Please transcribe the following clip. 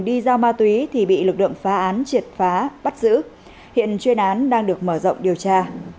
đi giao ma túy thì bị lực lượng phá án triệt phá bắt giữ hiện chuyên án đang được mở rộng điều tra